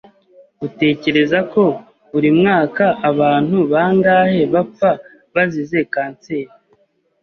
Utekereza ko buri mwaka abantu bangahe bapfa bazize kanseri?